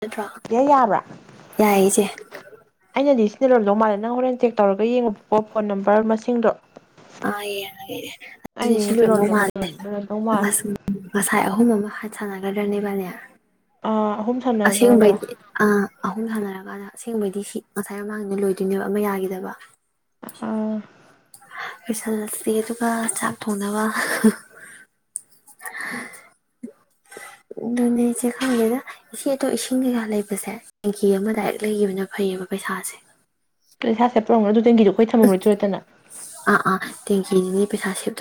ꯅꯠꯇ꯭ꯔꯣ ꯆꯦ ꯌꯥꯕ꯭ꯔꯥ ꯌꯥꯏꯌꯦ ꯏꯆꯦ ꯑꯩꯅꯗꯤ ꯁꯤ [unintelligible] ꯗꯧ ꯃꯥꯜꯂꯦ ꯅꯪ ꯍꯣꯔꯦꯟ ꯆꯦꯛ ꯇꯧꯔꯒ ꯌꯦꯡꯉꯣꯕꯀꯣ ꯐꯣꯟ ꯅꯝꯕꯔ ꯃꯁꯤꯡꯗꯣ ꯑꯥ ꯌꯦꯡꯉꯒꯦ [unintelligible] ꯁꯤ ꯑꯩ ꯂꯣꯏꯔꯝꯗꯧ ꯁꯤꯔꯣꯝꯗꯧ ꯃꯥꯜꯂꯦ ꯃꯥꯜꯂꯦ ꯉꯥꯁ ꯉꯁꯥꯏ ꯑꯍꯨꯝ ꯑꯃ ꯍꯥꯠ ꯁꯟꯅꯒꯗꯔ꯭ꯥꯅꯦ ꯏꯕꯅꯤ [unintelligible] ꯁꯥꯟꯅꯈ꯭ꯔꯕ꯭ꯔꯥ ꯑꯁꯦꯡꯕꯩꯗꯤ ꯑ ꯑꯍꯨꯝ ꯁꯥꯟꯅꯔꯀꯥꯟꯗ ꯑꯁꯦꯡꯕꯩꯗꯤ ꯁꯤ ꯉꯁꯥꯏ ꯑꯃꯃꯥꯡꯅꯤꯅ ꯂꯣꯏꯗꯣꯏꯅꯦꯕ ꯑꯃ ꯌꯥꯈꯤꯗꯕ ꯂꯣꯏꯁꯜꯂꯁꯤ ꯑꯗꯨꯒ ꯆꯥꯛ ꯊꯣꯡꯅꯕ ꯍꯥ ꯑꯗꯨꯅꯦ ꯏꯆꯦ ꯈꯪꯒꯦꯗ ꯏꯆꯦ ꯑꯇꯣ ꯏꯁꯤꯡ ꯀꯩꯀꯥ ꯂꯩꯕꯁꯦ ꯇꯦꯡꯀꯤ ꯑꯃ ꯗꯥꯏꯔꯦꯛ ꯂꯩꯈꯤꯕꯅ ꯐꯩꯌꯦꯕ ꯄꯩꯁꯥꯁꯦ ꯀꯩꯁꯥꯁꯦꯄ꯭ꯔꯣ ꯑꯗꯨ ꯇꯦꯡꯀꯤꯗꯣ ꯑꯩꯈꯣꯏ ꯊꯝꯃꯝꯃꯣꯏꯗꯣꯏ ꯅꯠꯇꯅ ꯑ ꯑꯥ ꯊꯦꯡꯀꯤ [unintelligible] ꯄꯩꯁꯥ ꯁꯦꯚ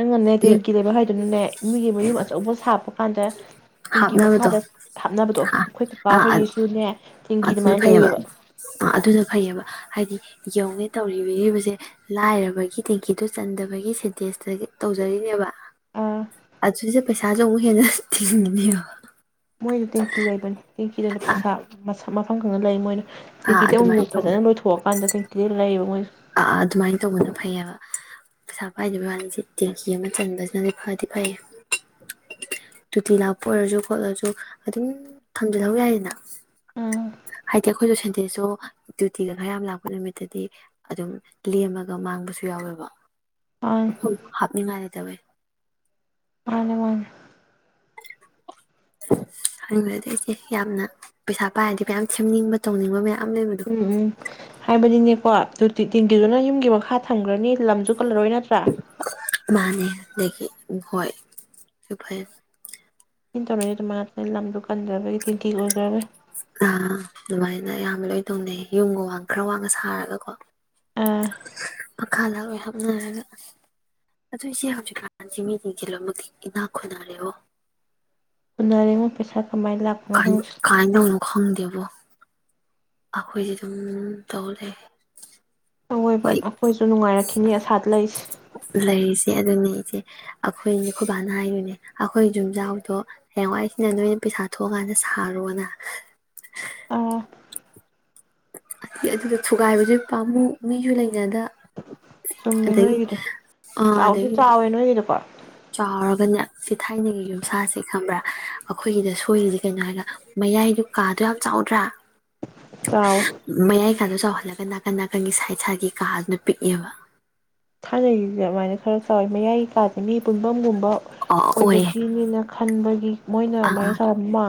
ꯅꯪꯅꯅꯦ ꯇꯦꯡꯀꯤ ꯂꯩꯕ ꯍꯥꯏꯗꯨꯅꯅꯦ ꯃꯤꯒꯤ ꯃꯌꯨꯝ ꯑꯆꯧꯕ ꯁꯥꯞꯕ ꯀꯥꯟꯗ ꯇꯤꯡꯀꯤ ꯍꯥꯞꯅꯕꯗꯣ ꯃꯈꯥꯗ ꯍꯥꯞꯅꯕꯗꯣ ꯑꯥ ꯑꯩꯈꯣꯏ ꯀꯥꯀꯥ ꯑꯥ ꯍꯣꯏꯒꯤꯁꯨꯅꯦ ꯇꯦꯡꯀꯤ ꯑꯗꯨꯅ ꯑꯗꯨꯃꯥꯏꯅ ꯐꯩꯌꯦꯕ ꯂꯩꯌꯦꯕ ꯑ ꯑꯗꯨꯅ ꯐꯩꯌꯦꯕ ꯍꯥꯏ ꯍꯥꯏꯗꯤ ꯌꯦꯡꯎꯅꯤ ꯇꯧꯔꯤꯕꯔꯤꯕꯁꯦ ꯂꯥꯏꯔꯕꯒꯤ ꯇꯦꯡꯀꯤꯗꯣ ꯆꯟꯗꯕꯒꯤ ꯁꯦꯟꯇꯦꯁꯇꯒꯤ ꯇꯧꯖꯔꯤꯅꯦꯕ ꯑꯥ ꯑꯗꯨꯁꯦ ꯄꯩꯁꯥꯁꯨ ꯑꯃꯨꯛ ꯍꯦꯟꯅ ꯊꯤꯡꯒꯅꯦꯕ ꯃꯣꯏꯅ ꯇꯦꯡꯀꯤ ꯂꯩꯕꯅꯦ ꯇꯦꯡꯀꯤꯗ ꯂꯨ ꯄꯩꯁꯥ ꯃꯁꯥ ꯃꯐꯝ ꯈꯪꯅ ꯂꯩ ꯃꯣꯏꯗꯨ ꯑꯥ ꯇꯦꯡꯀꯤꯗ ꯑꯗꯨꯃꯥꯏꯅ ꯑꯃꯨꯛꯛ ꯐꯖꯅ ꯅꯣꯏꯊꯣꯛꯑꯀꯥꯟꯗ ꯇꯦꯡꯀꯤꯗ ꯂꯩꯕ ꯃꯣꯏ ꯑꯥꯥ ꯑꯗꯨꯃꯥꯏꯅ ꯇꯧꯕꯅ ꯐꯩꯌꯦꯕ ꯄꯩꯁꯥ ꯄꯥꯏꯗꯕ ꯋꯥꯅꯤꯁꯦ ꯇꯦꯡꯀꯤ ꯑꯃ ꯆꯟꯕꯁꯤꯅꯗꯤ ꯐꯗꯤ ꯐꯩ ꯇꯣꯇꯤ ꯂꯥꯛꯄ ꯑꯣꯏꯔꯁꯨ ꯈꯣꯠꯂꯁꯨ ꯑꯗꯨꯝ ꯊꯝꯖꯤꯜꯍꯧ ꯌꯥꯏꯌꯦꯅ ꯎꯝ ꯍꯥꯏꯗꯤ ꯑꯩꯈꯣꯏꯁꯨ ꯁꯦꯟꯗꯦꯁꯨ ꯗ꯭ꯌꯨꯇꯤꯒ ꯈꯔ ꯌꯥꯝ ꯂꯥꯛꯄ ꯅꯨꯃꯤꯠꯇꯗꯤ ꯑꯗꯨꯝ ꯂꯦꯝꯃꯒ ꯃꯥꯡꯕꯁꯨ ꯌꯥꯎꯋꯦꯕ ꯃꯥꯅꯦ [unintelligible] ꯇꯃꯦ ꯃꯥꯅꯦ ꯃꯥꯅꯦ ꯍꯥꯏꯅꯤꯡꯕꯗꯤ [unintelligible] ꯌꯥꯝꯅ ꯄꯩꯁꯥ ꯄꯥꯏꯔꯗꯤ ꯃꯌꯥꯝ ꯁꯦꯝꯅꯤꯡꯕ ꯇꯧꯅꯤꯡꯕ ꯃꯌꯥꯝ ꯂꯩꯕꯗꯣ ꯎꯝ ꯎꯝ ꯍꯥꯏ ꯕꯗꯤꯅꯦꯀꯣ ꯇꯤꯟꯒꯤꯗꯨꯅ ꯌꯨꯝꯒꯤ ꯃꯈꯥ ꯊꯝꯈ꯭ꯔꯅꯤ ꯂꯝꯁꯨ ꯀꯜꯂꯔꯣꯏ ꯅꯠꯇ꯭ꯔꯥ ꯃꯥꯥꯟꯅꯦ ꯑꯗꯒꯤ ꯍꯣꯏ ꯐꯩ ꯍꯇꯅꯣꯏꯦꯃ ꯍꯥꯅ ꯂ ꯂꯝꯗꯣ ꯀꯟꯗ꯭ꯔꯕꯒꯤ ꯇꯦꯡꯀꯤ ꯑꯣꯏꯈ꯭ꯔꯕꯩ ꯑ ꯑꯗꯨꯃꯥꯏꯅ ꯌꯥꯝ ꯂꯩ ꯇꯧꯅꯩ ꯌꯨꯝꯒ ꯋꯥ ꯈꯔ ꯋꯥꯡꯅ ꯁꯥꯔꯒꯀꯣ ꯑ ꯃꯈꯥꯗ ꯂꯣꯏ ꯍꯥꯞꯅꯔꯒ ꯑꯗꯨ ꯏꯆꯦ ꯍꯧꯖꯤꯛꯁꯤ ꯃꯤꯁꯤꯡꯁꯦ ꯂꯣꯏꯃꯛꯇꯤ ꯏꯅꯥꯛ ꯈꯨꯅꯔꯦꯕꯣ꯫ ꯎꯅꯔꯉꯣ ꯄꯩꯁꯥ ꯀꯃꯥꯏꯅ ꯂꯥꯛꯄꯅꯣ ꯀꯥꯏ ꯈꯪꯗ꯭ꯔꯦ ꯀꯥꯏꯅꯅꯣ ꯈꯪ ꯗꯦꯕꯣ ꯑꯩꯈꯣꯏꯗꯤ ꯑꯗꯨꯝ ꯇꯧ ꯂꯩꯔꯦ꯫ ꯑꯋꯣꯏꯕ ꯑꯩꯈꯣꯏꯁꯨ ꯅꯨꯡꯉꯥꯏꯔꯛꯈꯤꯅꯤ ꯑꯁꯥꯗ ꯂꯩꯁꯦ ꯁꯦ ꯑꯩꯈꯣꯏꯅꯦ ꯈꯨꯣꯏꯕꯥꯅ ꯍꯥꯏꯔꯤꯅꯦ ꯑꯩꯈꯣꯏ ꯌꯨꯝꯖꯥꯎꯗꯣ ꯍꯌꯦꯡꯋꯥꯏꯁꯤꯅ ꯅꯣꯏꯅ ꯄꯩꯁꯥ ꯊꯣꯛꯑꯀꯥꯟꯗ ꯁꯥꯔꯣꯅ ꯑꯥ ꯑꯗꯨꯗ ꯊꯨꯒꯥꯏꯕꯁꯨ ꯄꯥꯝꯃꯨ ꯃꯤꯁꯨ ꯂꯩꯅꯗ ꯆꯨꯝꯃꯦ ꯑꯗꯒꯤ ꯅꯣꯏꯒꯤꯗ ꯑꯥ ꯆꯥꯎꯗꯤ ꯑꯗꯒꯤ ꯆꯥꯎꯋꯦ ꯅꯣꯏꯒꯤꯗꯀꯣ ꯆꯥꯎꯔꯒꯅꯦ ꯁꯤ ꯊꯥꯏꯅꯒꯤ ꯌꯨꯝꯁꯥꯁꯦ ꯈꯪꯕ꯭ꯔꯥ ꯑꯩꯈꯣꯏꯒꯤꯗ ꯁꯣꯏꯔꯤꯁꯦ ꯀꯩꯅꯣ ꯍꯥꯏꯔꯒ ꯃꯌꯥꯏꯗꯨ ꯀꯥꯗꯣ ꯌꯥꯝ ꯆꯥꯎꯗ꯭ꯔ ꯆꯥꯎ ꯏꯁꯥꯗꯣ ꯆꯥꯎꯍꯜꯂꯒ ꯅꯥꯀꯟ ꯅꯥꯀꯟꯒꯤ ꯁꯥꯏꯇ ꯁꯥꯏꯇ ꯒꯤ ꯀꯥꯗꯨꯅ ꯄꯤꯛꯑꯦꯕ ꯊꯥꯏꯅꯩꯁꯦ ꯑꯗꯨꯃꯥꯏꯅ ꯈꯔ ꯆꯥꯎꯋꯤ ꯃꯌꯥꯏ ꯀꯥꯥꯁꯦ ꯃꯤ ꯄꯨꯟꯐꯝꯒꯨꯝꯕ ꯑꯣ ꯑꯣꯏꯌꯦ ꯑꯣꯏꯕꯒꯤꯅꯤꯅ ꯈꯟꯕꯒꯤ ꯃꯣꯏꯅ ꯑꯥ ꯑꯗꯨꯃꯥꯏꯅ ꯑꯥ ꯆꯥꯎꯔꯝꯕ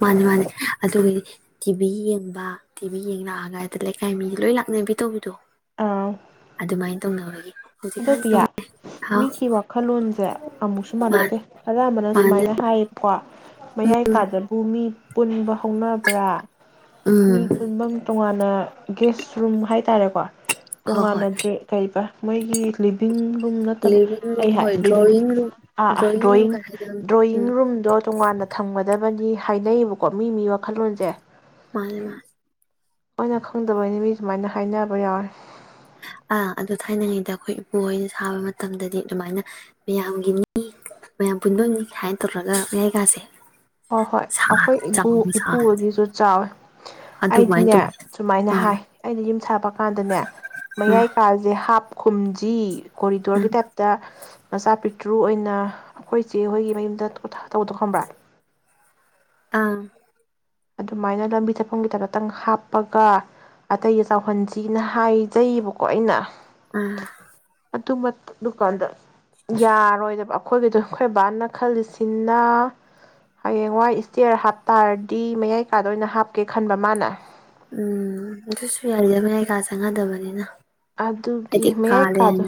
ꯃꯥꯅꯤ ꯃꯥꯅꯤ ꯑꯗꯨꯒꯤꯗꯤ ꯇꯤꯚꯤ ꯌꯦꯡꯕ ꯇꯤꯚꯤ ꯌꯦꯡ ꯂꯥꯛꯑꯒ ꯑꯗꯨꯗꯩ ꯂꯩꯀꯥꯏ ꯃꯤꯗꯤ ꯂꯣꯏ ꯂꯥꯛꯅꯕꯤ ꯇꯧꯕꯤꯗꯣ ꯑꯗꯨꯃꯥꯏꯅ ꯇꯧꯅꯕꯒꯤ ꯍꯧꯖꯤꯛꯀꯥꯟꯁꯤ ꯇꯧ ꯑꯟꯗꯣꯄꯤꯌꯥ ꯍꯥꯎ ꯃꯤꯒꯤ ꯋꯥꯈꯜꯂꯣꯟꯁꯦ ꯑꯃꯨꯛꯁꯨ ꯃꯥ ꯃꯥꯟꯅꯗꯦ ꯑꯅꯝꯕꯅ ꯃꯥꯅꯦ ꯁꯨꯃꯥꯏꯅ ꯍꯥꯏꯌꯦꯕꯀꯣ ꯃꯌꯥꯏ ꯀꯥꯗꯕꯨ ꯃꯤ ꯄꯨꯟꯕ ꯍꯧꯅꯕ꯭ꯔ ꯃꯤ ꯎꯝ ꯄꯨꯟꯐꯝ ꯇꯣꯉꯥꯟꯅ ꯒꯦꯁ ꯔꯨꯝ ꯍꯥꯏꯇꯥꯔꯦꯀꯣ꯫ ꯍꯣꯏ ꯍꯣꯏ ꯇꯣꯡꯉꯥꯟꯅꯗ꯭ꯔꯦ ꯀꯩꯕ ꯃꯣꯏꯒꯤ ꯂꯤꯕꯤꯡ ꯔꯨꯝ ꯅꯠꯇꯕ ꯂꯤꯚꯡ ꯑꯩ ꯔꯨꯝ ꯍꯥꯏ ꯍꯣꯏ ꯗ꯭ꯔꯣꯋꯤꯡ ꯔꯨꯝ ꯑꯥ ꯑꯥ ꯗ꯭ꯔꯣꯋꯤꯡ ꯔꯨꯝ ꯗ꯭ꯔꯣꯌꯤꯡ ꯀ ꯍꯥꯏꯗꯅ ꯗ꯭ꯔꯣꯌꯤꯡ ꯎꯝ ꯔꯨꯝꯗꯣ ꯇꯣꯉꯥꯟꯅ ꯊꯝꯒꯗꯕꯅꯤ꯫ ꯍꯥꯏꯅꯩꯌꯦꯕꯀꯣ ꯃꯤ ꯃꯤ ꯋꯥꯈꯜꯂꯣꯟꯁꯦ ꯃꯥꯅꯦ ꯃꯥꯅꯦ ꯑꯩꯏꯅ ꯈꯪꯗꯕꯅꯤ ꯃꯤ ꯁꯨꯃꯥꯏꯅ ꯍꯥꯏꯅꯕ ꯌꯥꯎꯋꯦ ꯑꯥ ꯑꯗꯨ ꯊꯥꯏꯅꯉꯩꯗ ꯑꯩꯈꯣꯏ ꯏꯄꯨꯍꯣꯏꯅ ꯁꯥꯕ ꯃꯇꯝꯗꯗꯤ ꯑꯗꯨꯃꯥꯏꯅ ꯃꯌꯥꯝꯒꯤꯅꯤ ꯃꯌꯥꯝ ꯄꯨꯟꯕꯝꯅꯤ ꯍꯥꯏꯅ ꯇꯧꯔꯒ ꯃꯌꯥꯏ ꯀꯥꯁꯦ ꯍꯣꯏ ꯍꯣꯏ ꯑꯩꯈꯣꯏ ꯏꯄꯨꯒꯤꯁꯨ ꯆꯥꯎꯋꯦ ꯑꯗꯨꯃꯥꯏꯅ ꯑꯩꯗꯤꯅꯦ ꯇꯧꯋꯤ ꯁꯨꯃꯥꯏꯅ ꯑꯥ ꯍꯥꯏ ꯑꯩꯅ ꯌ ꯊꯕꯛ ꯀꯥꯟꯗꯅꯦ ꯑꯥ ꯃꯌꯥꯏ ꯀꯥꯥꯁꯦ ꯍꯥꯞꯄ ꯈꯨꯝꯖꯤ ꯑꯥ ꯀꯣꯔꯤꯗꯣꯔꯒꯤ ꯇꯥꯏꯞꯇ ꯃꯆꯥ ꯄꯤꯛꯇ꯭ꯔꯨ ꯑꯣꯏꯅ ꯑꯩꯈꯣꯏꯁꯦ ꯍꯣꯏꯒꯤ ꯃꯌꯨꯝꯗ ꯄꯣꯊ ꯇꯧꯗꯣ ꯈꯡꯕ꯭ꯔꯥ ꯑꯥ ꯑꯗꯨꯃꯥꯏꯅ ꯂꯝꯕꯤ ꯊꯠꯐꯝꯒꯤꯗ ꯈꯇꯪ ꯍꯥꯞꯄꯒ ꯑꯇꯩꯒ ꯆꯥꯎꯍꯟꯁꯤꯅ ꯍꯥꯏꯖꯩꯌꯦꯕꯀꯣ ꯑꯩꯅ ꯎꯝ ꯑꯗꯨꯃ ꯗꯨꯀꯥꯟꯗ ꯌꯥꯔꯣꯏꯗꯕ ꯑꯩꯈꯣꯏꯒꯤꯗꯣ ꯑꯩꯈꯣꯏ ꯕꯕꯥꯅ ꯈꯜꯂꯤꯁꯤꯅ ꯍꯌꯦꯡꯋꯥꯏ ꯏꯁꯇꯦꯌꯔ ꯍꯥꯞꯇꯥꯔꯗꯤ ꯗꯤ ꯃꯌꯥꯏ ꯀꯥꯗ ꯑꯣꯏꯅ ꯍꯥꯞꯀꯦ ꯈꯟꯕ ꯃꯥꯅ ꯎꯝ ꯑꯗꯨꯁꯨ ꯌꯥꯔꯤꯗ ꯃꯌꯥꯏ ꯀꯥ ꯆꯪꯅꯗꯕꯅꯤꯅ ꯑꯗꯨꯒꯤ ꯍꯥꯏꯗꯤ ꯃꯌꯥꯏ ꯀꯥꯂꯦꯟ ꯀꯥꯗꯣ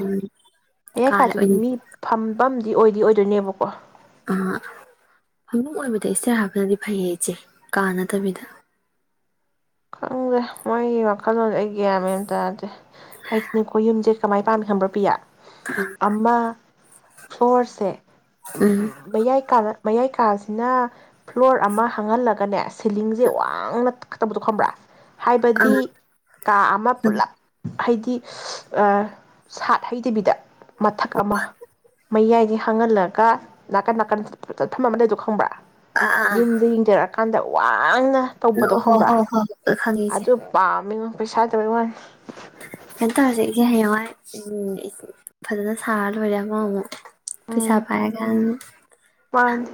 ꯃꯌꯥꯏ ꯀꯥꯂꯦ ꯀꯥꯗꯨꯗꯤ ꯑꯣꯏꯅ ꯃꯤ ꯐꯝꯐꯝ ꯗꯤ ꯑꯣꯏꯗꯤ ꯑꯣꯏꯗꯣꯏꯅꯦꯕꯀꯣ ꯑ ꯐꯃꯨꯡ ꯑꯣꯏꯕꯗ ꯏꯁꯇꯦꯌꯔ ꯍꯥꯞꯄꯅꯗꯤ ꯐꯩꯌꯦ ꯏꯆꯦ ꯀꯥ ꯅꯠꯇꯕꯤꯗ꯫ ꯈꯪꯗ꯭ꯔꯦ ꯃꯣꯏꯒꯤ ꯋꯥꯈꯜꯂꯣꯟꯖꯦ ꯑꯩ ꯒ꯭ꯁꯥꯟ ꯃꯦꯟꯑꯃ ꯇꯥꯗꯦ ꯍꯥꯏꯗꯤꯅꯦꯀꯣ ꯌꯨꯝꯁꯦ ꯀꯃꯥꯏ ꯄꯥꯝꯃꯤ ꯈꯪꯕ꯭ꯔ ꯄꯤꯌꯥ ꯑꯃ ꯐꯁꯦ ꯎꯝ ꯩꯌꯥ ꯑꯩ ꯀꯔ ꯃꯌꯥꯏ ꯀꯥꯁꯤꯅ ꯐ꯭ꯂꯣꯔ ꯑꯃ ꯍꯥꯡꯍꯜꯂꯒꯅꯦ ꯁꯤꯂꯤꯡꯁꯦ ꯋꯥꯡꯅ ꯊꯛꯕꯗ ꯈꯪꯕꯔ ꯑꯥ ꯍꯥꯏꯕꯗꯤ ꯀꯥ ꯑꯃ ꯄꯨꯜꯂꯞ ꯍꯥꯏꯗꯤ ꯑꯥ ꯁꯥꯠ ꯍꯩꯇꯕꯤꯗ꯫ ꯃꯊꯛ ꯑꯃ ꯃꯌꯥꯏꯁꯦ ꯍꯥꯡꯍꯜꯂꯒ ꯅꯥꯀꯟ ꯅꯥꯀꯟ ꯆꯠꯐꯝ ꯑꯃ ꯂꯩꯗꯣ ꯈꯪꯕ꯭ꯔꯥ ꯑꯥ ꯑꯥ ꯌꯨꯝꯗ ꯌꯦꯡꯖꯔꯛꯑ [unintelligible] ꯋꯥꯡꯅ ꯑꯣ ꯍꯣ ꯍꯣ ꯍꯣ ꯈꯪꯉꯦ ꯏꯆꯦ ꯑꯖ ꯄ ꯄꯩꯁꯥ ꯇꯧꯕ ꯋꯥꯅꯤ ꯀꯩꯅꯣ ꯇꯧꯔꯁꯦ ꯏꯆꯦ ꯍꯌꯦꯡꯋꯥꯏ ꯎ ꯐꯖꯅ ꯁꯥꯔ ꯂꯣꯏꯔꯦ ꯑꯃꯛ ꯑꯃꯨꯛ ꯄꯩꯁꯥ ꯄꯥꯏꯔꯒꯥꯟ ꯃꯟꯅꯦ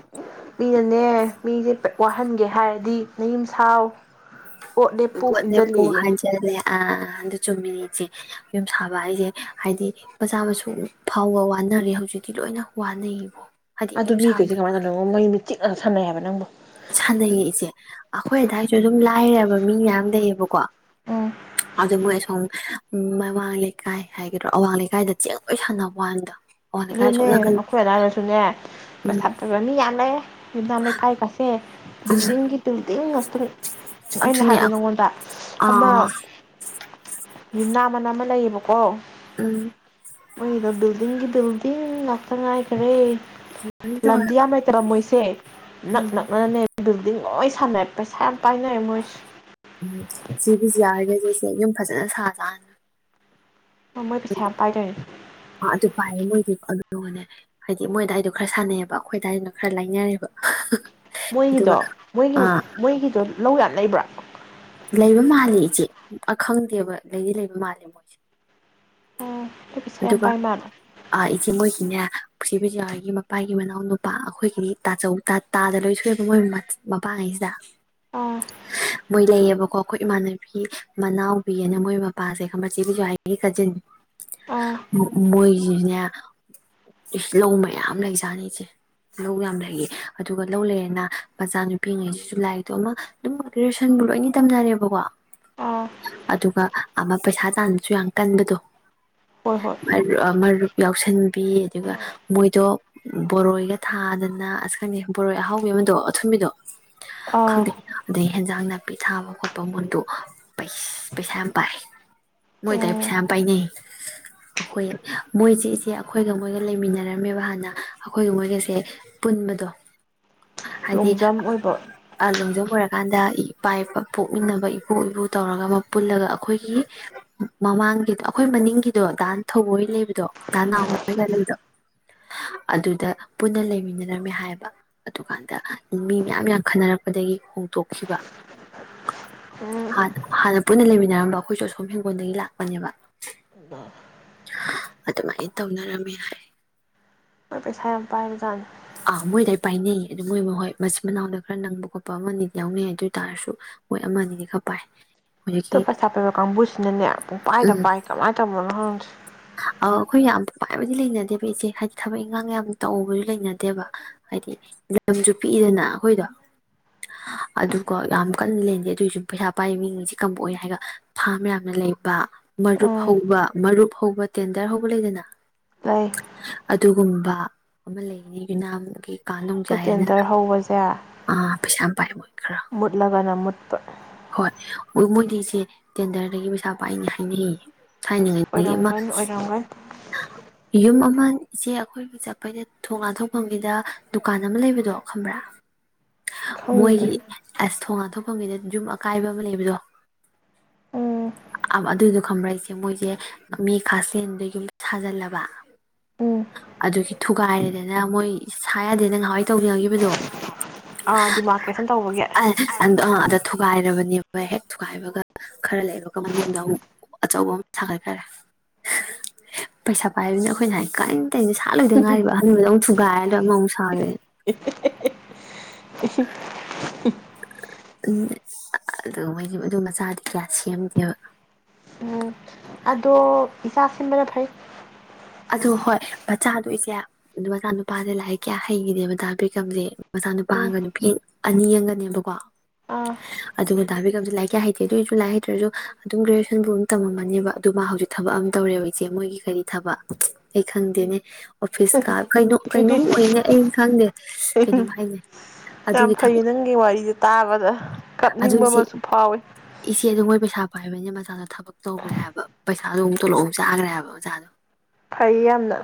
ꯃꯤꯅꯅꯦ ꯃꯤꯁꯦ ꯄꯥ ꯋꯥꯍꯟꯒꯦ ꯍꯥꯏꯔꯗꯤ ꯅꯌꯨꯝ ꯁꯥꯎ [unintelligible] ꯏꯖꯟꯂꯌꯦ ꯑꯗ ꯆꯨꯝꯃꯤꯅꯤꯠꯁꯦ ꯌꯨꯝ ꯁꯥꯕ ꯍꯥꯏꯁꯦ ꯍꯥꯏꯗꯤ ꯃꯆꯥꯥ ꯃꯁꯨ ꯐꯥꯎꯕ ꯋꯥꯅꯔꯦ ꯍꯧꯖꯤꯛꯇꯤ ꯂꯣꯏꯅ ꯋꯥꯅꯩꯌꯦꯀꯣ ꯑꯗꯨ ꯃꯤꯈꯩꯗꯤ ꯀꯃꯥꯏꯅ ꯇꯧꯗꯣꯏꯕ ꯃꯣꯏ ꯃꯤꯆꯤꯛ ꯁꯝ ꯂꯩ ꯍꯥꯏꯕ ꯅꯪꯕꯨ ꯁꯥꯟꯅꯩꯌꯦꯏꯆꯦ ꯑꯩꯈꯣꯏ ꯑꯗꯥꯏꯁꯨ ꯑꯗꯨꯝ ꯂꯥꯏꯔꯕ ꯃꯤ ꯃꯌꯥꯝ ꯂꯩꯌꯦꯕꯀꯣ ꯎꯝ ꯑꯗꯨꯗꯣ ꯃꯣꯏ ꯁꯣꯝ ꯃꯃꯥꯡ ꯂꯩꯀꯥꯏ ꯍꯥꯏꯒꯗ꯭ꯔꯥ ꯑꯋꯥꯡ ꯂꯩꯀꯥꯏꯗ ꯆꯦꯡ ꯂꯣꯏ ꯁꯥꯟꯅꯕ ꯋꯥꯥꯟꯗ ꯑꯗꯨꯅꯦ ꯑꯩꯈꯣꯏ ꯑꯗꯥꯏꯗꯁꯨꯅꯦ ꯎꯝ ꯄꯩꯊꯥꯞꯇꯕ ꯃꯤ ꯌꯥꯝ ꯂꯩ ꯌꯨꯝꯅꯝ ꯂꯩꯀꯥꯏꯀꯁꯦ ꯕꯤꯜꯗꯤꯡꯒꯤ ꯇꯤꯜꯗꯤꯡ ꯉꯛ ꯇ꯭ꯔꯦ ꯑꯩꯅ ꯑꯗꯨꯅꯦ ꯍꯥꯏꯗꯣ ꯅꯉꯣꯟꯗ ꯑꯃ ꯑꯥ ꯌꯨꯝꯅꯥꯃꯟ ꯑꯃ ꯂꯩꯌꯦꯕꯀꯣ ꯎꯝ ꯃꯩꯅ ꯕꯤꯗꯤꯡꯒꯤ ꯏꯤꯟ ꯉꯥꯛꯇ ꯉꯥꯏꯈꯔꯦ ꯇꯧꯋꯦ ꯍꯥꯏꯕ ꯂꯟꯗꯤꯌꯥ ꯃ ꯇꯔꯃꯣꯁ ꯆꯩ ꯅꯛ ꯎꯝ ꯅꯛꯅꯅꯅꯦ ꯕꯤꯜꯗꯤꯡ ꯂꯣꯏ ꯁꯥꯟꯅꯩ ꯄꯩꯁꯥ ꯌꯥꯝ ꯄꯥꯏꯅꯩꯔꯦ ꯃꯣꯏꯁꯦ ꯎꯝ ꯆꯦ ꯕꯤꯖ꯭ꯌꯥ ꯍꯣꯏꯒꯁꯦ ꯌꯨꯝ ꯐꯖꯅ ꯁꯥ ꯖꯥꯠꯅꯦ ꯃꯣꯏ ꯄꯩꯁꯥ ꯌꯥꯝ ꯄꯥꯏꯗꯥꯏꯅꯦ ꯑ ꯑꯗꯨꯒꯥꯏꯌꯦ ꯃꯣꯏꯗꯤ ꯑꯗꯨꯒꯅꯦ ꯍꯥꯏꯗꯤ ꯃꯣꯏ ꯑꯗꯥꯏꯗꯣ ꯈꯔ ꯁꯥꯟꯅꯩꯌꯦꯕ ꯑꯈꯣꯏꯗꯗꯥꯏꯗꯨꯅ ꯈꯔ ꯂꯥꯏꯅꯔꯦꯕ ꯑꯗꯨꯒ ꯃꯣꯏꯒꯤꯗꯣ ꯃꯣꯏꯒꯤ ꯑ ꯃꯣꯏꯒꯤꯗꯣ ꯂꯧ ꯌꯥꯅꯤ ꯂꯩꯕ꯭ꯔꯥ ꯂꯩꯕ ꯃꯥꯜꯂꯦ ꯏꯆꯦ ꯑ ꯈꯪꯗꯦꯕ ꯂꯩꯗꯤ ꯂꯩꯕ ꯃꯥꯜꯂꯦ ꯑꯣ ꯄꯩꯁꯥ ꯌꯥꯝ ꯄꯥꯏ ꯃꯥꯜꯂꯦ ꯆꯦ ꯃꯣꯏꯒꯤꯅꯦ ꯆꯦ ꯕꯤꯖ꯭ꯌꯥ ꯍꯣꯏꯒꯤ ꯃꯄꯥꯒꯤ ꯃꯅꯥꯎ ꯅꯨꯄꯥ ꯑꯩꯈꯣꯏꯒꯤꯗꯤ ꯇꯥꯆꯧ ꯇꯥꯗ ꯂꯣꯏ ꯊꯣꯛꯑꯦꯕ ꯃꯣꯏ ꯃꯄꯥꯡꯒꯩꯁꯤꯗ ꯑꯥ ꯃꯣꯏ ꯂꯩꯌꯦꯕ ꯑꯈꯣꯏ ꯏꯃꯥꯟꯅꯕꯤ ꯃꯅꯥꯎꯕꯤ ꯑꯅ ꯃꯣꯏ ꯃꯄꯥꯁꯦ ꯈꯪꯕ ꯆꯦ ꯕꯤꯖ꯭ꯌꯥ ꯍꯣꯏꯒꯤ ꯀꯖꯤꯟ ꯑꯥ ꯃꯣꯏ ꯁꯤꯁꯤꯅꯦ ꯏꯁ ꯂꯧ ꯃꯌꯥꯝ ꯂꯩꯖꯥꯅꯤ ꯏꯆꯦ ꯂꯧ ꯌꯥꯝ ꯂꯩꯌꯦ ꯑꯗꯨꯒ ꯂꯧ ꯂꯩꯔꯦꯅ ꯃꯆꯥꯅꯨꯄꯤꯉꯩꯁꯤꯁꯨ ꯂꯥꯏꯔꯤꯛꯇꯣ ꯑꯃ ꯑꯗꯨꯝ ꯒ꯭ꯔꯦꯖꯨꯌꯦꯁꯟ ꯂꯣꯏꯅ ꯇꯝꯅꯔꯦꯕꯀꯣ ꯑꯥ ꯑꯗꯨꯒ ꯑꯃ ꯄꯩꯁꯥ ꯁꯨ ꯌꯥꯝ ꯀꯟꯕꯗꯣ ꯍꯣꯏ ꯍꯣꯏ ꯃꯔ ꯑ ꯃꯔꯨꯞ ꯌꯥꯎꯁꯟ ꯕꯤ ꯑꯗꯨꯒ ꯃꯣꯏꯗꯣ ꯕꯣꯔꯣꯏꯒ ꯊꯥꯗꯅ ꯑꯁ ꯈꯪꯗꯦ ꯕꯣꯔꯣꯏ ꯑꯍꯥꯎꯕꯤꯗꯣ ꯑꯃꯗꯣ ꯑꯊꯨꯝꯕꯤꯗꯣ ꯑꯥ ꯈꯪꯗꯦ ꯑꯗꯩ ꯍꯦꯟꯖꯥꯡ ꯅꯥꯄꯤ ꯊꯥꯕ ꯈꯣꯠꯄ ꯃꯣꯏꯗꯣ ꯄꯩꯁꯥ ꯌꯥꯝ ꯄꯥꯏ ꯃꯣꯏꯗꯥꯏ ꯄꯩꯁꯥ ꯎꯝ ꯌꯥꯝ ꯄꯥꯏꯅꯩ ꯑꯩꯈꯣꯏ ꯃꯣꯏꯁꯦ ꯏꯆꯦ ꯑꯩꯈꯣꯏꯒ ꯃꯣꯏꯒ ꯂꯩꯃꯤꯟꯅꯔꯝꯃꯦꯕ ꯍꯥꯟꯅ ꯑꯩꯈꯣꯏꯒ ꯃꯣꯏꯒꯁꯦ ꯄꯨꯟꯕꯗꯣ ꯍꯥꯏꯗꯤ ꯂꯣꯡꯖꯝ ꯑꯣꯏꯕ ꯑ ꯂꯣꯡꯖꯝ ꯑꯣꯏꯔꯀꯥꯟꯗ ꯏꯄꯥ ꯏꯄ ꯄꯣꯛꯃꯤꯟꯅꯕ ꯏꯄꯨ ꯏꯄꯨ ꯇꯧꯔꯒ ꯑꯃ ꯄꯨꯜꯂꯒ ꯑꯩꯈꯣꯏꯒꯤ ꯃꯃꯥꯡꯒꯤꯗ ꯑꯩꯈꯣꯏ ꯃꯅꯤꯡꯒꯤ ꯁꯤꯗꯣ ꯗꯥꯟ ꯊꯧꯕ ꯍꯣꯏ ꯂꯩꯕꯗꯣ ꯗꯥ ꯅꯥꯎ ꯍꯣꯏꯒ ꯂꯩꯗꯣ ꯑꯗꯨꯗ ꯄꯨꯟꯅ ꯂꯩꯃꯤꯟꯅꯔꯝꯃꯦ ꯍꯥꯏꯕ ꯑꯗꯨꯀꯥꯟꯗ ꯃꯤ ꯃꯌꯥꯝ ꯌꯥꯝ ꯈꯟꯅꯔꯛꯄꯗꯒꯤ ꯍꯣꯡꯗꯣꯛꯈꯤꯕ ꯎꯝ ꯍꯥꯟꯅ ꯍꯥꯟꯅ ꯄꯨꯟꯅ ꯂꯩꯃꯤꯟꯅꯔꯝꯕ ꯑꯩꯈꯣꯏꯁꯨ ꯑꯁꯣꯝ ꯍꯤꯡꯒꯣꯜꯗꯒꯤ ꯂꯥꯛꯄꯅꯦꯕ ꯃꯣꯏ ꯑꯗꯨꯃꯥꯏ ꯇꯧꯅꯔꯝꯃꯦ ꯍꯥꯏ ꯃꯣꯏ ꯄꯩꯁꯥ ꯌꯥꯝ ꯄꯥꯏꯕ ꯖꯥꯅꯤ ꯑꯥ ꯃꯣꯏꯗꯥꯏ ꯄꯥꯏꯅꯩꯌꯦ ꯑꯗꯨ ꯃꯣꯏ ꯃꯥ ꯍꯣꯏ ꯃꯆꯤꯟ ꯃꯅꯥꯎꯗ ꯈꯔ ꯅꯪꯕ ꯈꯣꯠꯄ ꯑꯃꯅꯤ ꯌꯥꯎꯅꯩ ꯑꯗꯨ ꯑꯣꯏ ꯇꯥꯔꯁꯨ ꯃꯣꯏ ꯑꯃꯅꯤꯗꯤ ꯈꯔ ꯄꯥꯏ ꯇꯣ ꯍꯧꯖꯤꯛꯀꯤ ꯄꯩꯁꯥ ꯄꯥꯏꯕ ꯀꯥꯡꯕꯨꯁꯤꯅꯅꯦ ꯄꯨꯡ ꯄꯥꯏꯗ ꯎꯝ ꯄꯥꯏ ꯀꯃꯥꯏꯅ ꯇꯧꯕꯅ ꯈꯪꯗꯦ ꯑ ꯑꯩꯈꯣꯏ ꯌꯥꯝ ꯄꯥꯏꯕꯗꯤ ꯂꯩꯅꯗꯦꯕ ꯏꯆꯦ ꯍꯥꯏꯗꯤ ꯊꯕꯛ ꯏꯪꯈꯥꯡ ꯌꯥꯝ ꯇꯧꯕꯁꯨ ꯂꯩꯅ ꯅꯠꯇꯦꯕ ꯍꯥꯏꯗꯤ ꯂꯝꯁꯨ ꯄꯤꯛꯏꯗꯅ ꯑꯩꯈꯣꯏꯗꯣ ꯑꯗꯨꯒ ꯌꯥꯝ ꯀꯟꯅ ꯂꯩꯅꯟꯗꯦ ꯑꯗꯨꯏꯁꯨ ꯄꯩꯁꯥ ꯄꯥꯏ ꯃꯤꯁꯤ ꯀꯝꯕ ꯑꯣꯏ ꯍꯥꯏꯔꯒ ꯐꯥꯝ ꯌꯥꯝꯅ ꯂꯩꯕ ꯃꯔꯨꯞ ꯎꯝ ꯍꯧꯕ ꯃꯔꯨꯞ ꯍꯧꯕ ꯇꯦꯟꯗꯔ ꯍꯧꯕ ꯂꯩꯗꯅ ꯂꯩ ꯑꯗꯨꯒꯨꯝꯕ ꯑꯃ ꯂꯩꯅꯤ ꯅꯥꯝꯒꯤ ꯀꯥ ꯑꯗꯨ ꯅꯣꯡꯖꯥꯏ ꯑꯅ ꯇꯦꯟꯗꯔ ꯍꯧꯕꯁꯦ ꯑꯥ ꯄꯩꯁꯥ ꯌꯥꯝ ꯄꯥꯏ ꯃꯣꯏ ꯈꯔ ꯃꯨꯠꯂꯒꯅ ꯃꯨꯠꯄ ꯍꯣꯏ ꯃꯣꯏ ꯃꯣꯏꯗꯤ ꯏ ꯇꯦꯟꯗꯔꯗꯒꯤ ꯄꯩꯁꯥ ꯄꯥꯏꯅꯤ ꯍꯥꯏꯅ ꯍꯥꯏꯅꯤꯡꯉꯥꯏꯅꯤ ꯑꯃ ꯑꯣꯏꯔꯝꯒꯅꯤ ꯑꯣꯏꯔꯝꯒꯅꯤ ꯌꯨꯝ ꯑꯃ ꯏꯆꯦ ꯑꯩꯈꯣꯏꯕꯨ ꯆꯠꯄꯩꯗ ꯊꯣꯡ ꯂꯥꯟꯊꯣꯛꯐꯝꯒꯤꯗ ꯗꯨꯀꯥꯟ ꯑꯃ ꯂꯩꯕꯗꯣ ꯈꯕ꯭ꯔꯥ ꯈꯪꯗꯦ ꯃꯣꯏꯒꯤ ꯑꯁꯊꯣ ꯉꯥꯗ ꯃꯐꯝꯒꯤꯗ ꯌꯨꯝ ꯑꯀꯥꯏꯕ ꯑꯃ ꯂꯩꯕꯗꯣ ꯎꯝ ꯑꯗꯨꯏꯗꯣ ꯈꯪꯕ꯭ꯔ ꯏꯁꯦ ꯃꯣꯏꯁꯦ ꯃꯤ ꯈꯥꯥꯁꯦꯟꯗ ꯌꯨꯝ ꯁꯥꯖꯤꯜꯂꯕ ꯎꯝ ꯑꯗꯨꯒꯤ ꯊꯨꯒꯥꯏꯔꯦꯗꯅ ꯃꯣꯏ ꯁꯥ ꯌꯥꯗꯦꯅ ꯉꯍꯥꯟꯋꯥꯏ ꯇꯧꯅꯤꯡꯉꯈꯤꯕꯗꯣ ꯑꯥ ꯗꯤꯃꯥꯔꯀꯦꯁꯟ ꯇꯧꯕꯒꯤ ꯑ ꯑ ꯊ ꯊꯨꯒꯥꯏꯔꯕꯅꯦꯕ ꯍꯦꯛ ꯊꯨꯒꯥꯏꯕꯒ ꯈꯔ ꯂꯩꯕꯒ ꯃꯅꯨꯡꯗ ꯑꯃꯨ ꯑꯆꯧꯕ ꯑꯃ ꯁꯥꯒꯠꯈꯔꯦ ꯄꯩꯁꯥ ꯄꯥꯏꯕꯅꯤꯅ ꯑꯩꯈꯣꯏꯅ ꯍꯥꯏ ꯀꯥꯏꯅ ꯇꯩꯅ ꯁꯠ ꯂꯣꯏꯗ ꯉꯥꯏꯔꯤꯕ ꯑꯟꯥꯟꯕꯗꯧꯛ ꯊꯨꯒꯥꯏꯔꯒ ꯑꯃꯧꯛ ꯁꯥꯒꯦ [inaudible] ꯎꯝ ꯑꯗꯨꯒ ꯃꯣꯏꯗꯤ ꯑꯗꯨ ꯃꯆꯥꯗꯤ ꯀꯌꯥ ꯁꯦꯝꯗꯦꯕ ꯎꯝ ꯑꯗꯣ ꯏꯆꯥ ꯁꯤꯟꯕꯅ ꯐꯩ ꯑꯗꯣ ꯍꯣꯏ ꯃꯆꯥꯗꯣꯏꯁꯦ ꯃꯆꯥꯅꯨꯄꯥꯁꯦ ꯂꯥꯏꯔꯤꯛ ꯀꯌꯥ ꯍꯩꯈꯤꯗꯦꯕ ꯗꯥꯥ ꯕꯤꯀꯝ ꯁꯦ ꯎꯝ ꯃꯆꯥꯅꯨꯄꯥꯒ ꯅꯨꯄꯤ ꯑꯅꯤ ꯑꯪꯒꯅꯦꯕꯀꯣ ꯑꯥ ꯑꯗꯨꯒ ꯗꯥꯕꯤꯀꯝꯁꯦ ꯂꯥꯏꯔꯤꯛ ꯀꯌꯥ ꯍꯩꯇꯦ ꯑꯗꯨꯏꯁꯨ ꯂꯥꯏꯔꯤꯛ ꯍꯩꯇ꯭ꯔꯁꯨ ꯑꯗꯨꯝ ꯒ꯭ꯔꯦꯖꯨꯋꯦꯁꯟꯕꯨꯥꯎ ꯑꯃ ꯇꯃꯝꯃꯅꯦꯕ ꯑꯗꯨ ꯃꯥ ꯍꯧꯖꯤꯛ ꯊꯕꯛ ꯑꯃꯝ ꯇꯧꯔꯦꯕ ꯏꯆꯦ ꯃꯣꯏꯒꯤ ꯀꯔꯤ ꯊꯕꯛ ꯑꯩ ꯈꯪꯗꯦꯅꯦ ꯑꯣꯐꯤꯁꯀ ꯀꯩꯅ ꯀꯩꯅꯣꯝꯅꯦ ꯑꯩꯅ ꯈꯪꯗꯦ ꯀꯩꯅꯣꯝ ꯍꯥꯏꯅꯦ ꯌꯥꯝ ꯑꯗꯨꯒꯤ ꯐꯩꯌꯦ ꯊꯕꯛ ꯅꯪꯒꯤ ꯋꯥꯔꯤꯁꯦ ꯇꯥꯕꯗ ꯀꯞꯅꯤꯡꯕ ꯑꯗꯨꯒꯤꯆꯦ ꯑꯃꯁꯨ ꯐꯥꯎꯋꯤ ꯏꯆꯦ ꯑꯗꯨ ꯃꯣꯏ ꯄꯩꯁꯥ ꯄꯥꯏ ꯐꯦꯕ ꯃꯆꯥꯗ ꯊꯕꯛ ꯇꯧꯈ꯭ꯔꯦ ꯍꯥꯏꯕ ꯄꯩꯁꯥꯗꯣ ꯑꯃꯨꯛ ꯇꫭꯂꫭꯞ ꯆꯒꯥꯔꯦ ꯍꯥꯏꯕ ꯑꯣꯖꯥꯗꯣ ꯐꯩ ꯌꯥꯝꯅ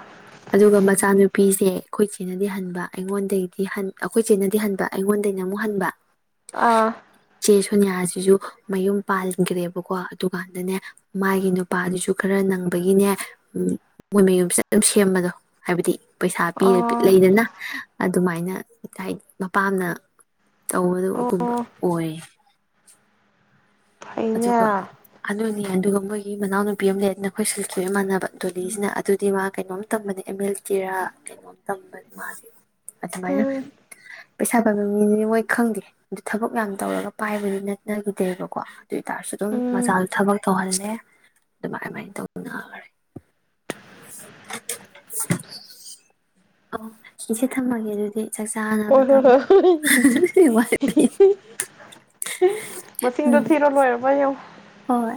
ꯅꯨꯄꯤꯁꯦ ꯑꯩꯈꯣꯏ ꯆꯦꯅꯗꯤ ꯍꯟꯕ ꯑꯩꯉꯣꯟꯗꯩꯗꯤ ꯑꯩꯈꯣꯏ ꯆꯦꯅꯗꯤ ꯍꯟꯕ ꯑꯩꯉꯣꯟꯗꯩꯅ ꯑꯃꯨꯛ ꯍꯟꯕ ꯑꯥ ꯁꯨꯅꯤꯌꯥꯁꯤꯁꯨ ꯃꯌꯨꯝ ꯄꯥꯟꯈ꯭ꯔꯦꯕꯀꯣ ꯑꯗꯨꯀꯥꯟꯗꯅꯦ ꯃꯥꯒꯤ ꯅꯨꯄꯥꯗꯨꯁꯨ ꯈꯔ ꯅꯪꯕꯒꯤꯅꯦ ꯎꯝ ꯃꯣꯏ ꯃꯌꯨꯝꯁꯤꯗ ꯑꯗꯨꯝ ꯁꯦꯝꯕꯗꯣ ꯍꯥꯏꯕꯗꯤ ꯄꯩꯁꯥ ꯄꯤ ꯑꯥ ꯂꯩꯗꯅ ꯑꯗꯨꯃꯥꯏꯅ ꯃꯄꯥꯝꯅ ꯑꯣ ꯇꯧꯕꯗꯒꯨꯝꯕ ꯑꯣꯏꯌꯦ ꯑꯗꯨꯒ ꯐꯩꯅꯦ ꯑꯗꯨꯒ ꯃꯣꯏꯒꯤ ꯃꯅꯥꯎꯅꯨꯄꯤ ꯑꯃ ꯂꯩꯔꯗꯤ ꯅꯈꯣꯏ ꯁꯤꯜꯊꯣꯛꯑ ꯃꯥꯟꯅꯕ ꯗꯣꯂꯤꯁꯤꯅ ꯑꯗꯨꯗꯤ ꯃꯥ ꯀꯩꯅꯣꯝ ꯇꯝꯕꯅꯦ ꯑꯦꯝ ꯑꯦꯜ ꯇꯦꯔꯥ ꯀꯩꯅꯣꯝ ꯇꯝꯕꯅꯦ ꯃꯥꯁꯦ ꯑꯗꯨꯃꯥꯏꯅꯥ ꯎꯝ ꯄꯩꯁꯥ ꯄꯥꯏꯕ ꯃꯤꯅꯤꯅꯤ ꯃꯣꯏ ꯈꯪꯗꯦ ꯑꯗꯨ ꯊꯕꯛ ꯌꯥꯝ ꯇꯧꯔꯒ ꯄꯥꯏꯕꯗꯤ ꯅꯠꯅꯈꯤꯗꯦꯕꯀꯣ ꯑꯗꯨ ꯑꯣꯏꯇꯥꯔꯁꯨ ꯑꯗꯨꯝ ꯎꯝ ꯃꯆꯥꯗꯨ ꯊꯕꯛ ꯇꯧꯍꯜꯂꯦ ꯑꯗꯨꯃꯥꯏꯃꯥꯏꯅ ꯇꯧꯅꯔꯦ ꯑꯣ ꯏꯆꯦ ꯊꯝꯃꯒꯦ ꯑꯗꯨꯗꯤ ꯆꯥꯛ ꯍꯣꯏ ꯆꯥꯅꯕ ꯇꯧ ꯍꯣꯏ ꯍꯣꯏ ꯃꯁꯤꯡꯗꯣ ꯎꯝ ꯊꯤꯔꯣ ꯂꯣꯏ [unintelligible] ꯍꯣꯏ